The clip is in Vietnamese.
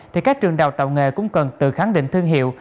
thì các trường đào tạo nghề cũng cần tự khẳng định thương hiệu